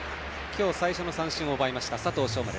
今日最初の三振を奪いました佐藤奨真。